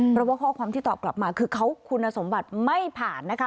เพราะว่าข้อความที่ตอบกลับมาคือเขาคุณสมบัติไม่ผ่านนะคะ